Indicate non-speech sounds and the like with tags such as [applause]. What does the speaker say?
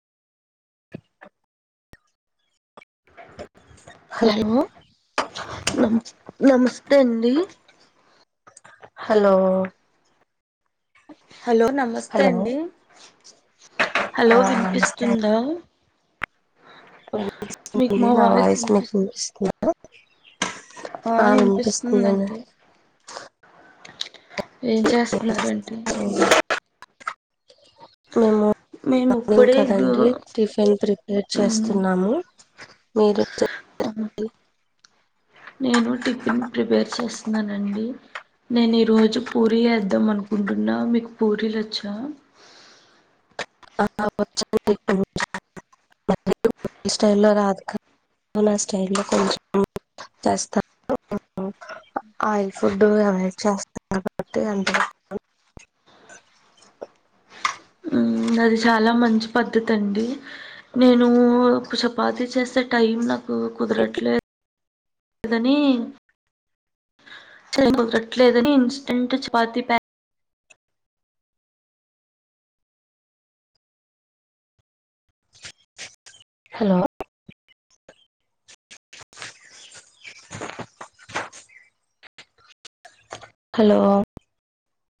[inaudible] hello నమ నమస్తే అండి హలో హలో నమస్తే హలో అండి, ఆ హలో వినిపిస్తుందా మీకు వినిపిస్తుంది మా నా వాయిస్ మీకు వినిపిస్ వినిపిస్తుందా ఆ అనిపిస్తుందండి ఏం చేస్తారండి మేము మేము మార్నింగ్ ఇప్పుడే గు కదండి టిఫిన్ ప్రిపేర్ మ్ చేస్తూన్నాము [unintelligible] నేను టిఫిన్ ప్రిపేర్ చేస్నానండి నేను ఈ రోజు పూరీ వేద్దాం అనుకుంటున్నా మీకు పూరీలు వచ్చా [unintelligible] [unintelligible] [unintelligible] [inaudible] మ్ అది చాలా మంచి పద్ధతి అండి నేను చపాతి చేసే టైమ్ నాకు నాకు కుదరట్లే దని [unintelligible] హలో హలో